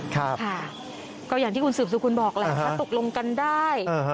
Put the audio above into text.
ค่ะก็อย่างที่คุณสืบสกุลบอกแหละถ้าตกลงกันได้